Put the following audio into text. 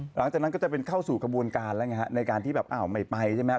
หลังจากนั้นก็จะเป็นเข้าสู่กระบวนการแล้วไงฮะในการที่แบบอ้าวไม่ไปใช่ไหม